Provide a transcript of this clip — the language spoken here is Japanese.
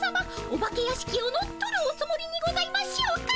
お化け屋敷を乗っ取るおつもりにございましょうか？